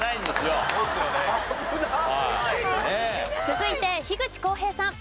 続いて口幸平さん。